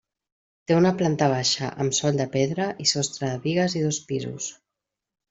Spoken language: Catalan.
Té una planta baixa amb sòl de pedra i sostre de bigues i dos pisos.